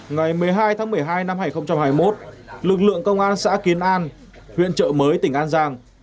ngày một mươi hai tháng một mươi hai năm hai nghìn hai mươi một lực lượng công an xã kiến an huyện trợ mới tỉnh an giang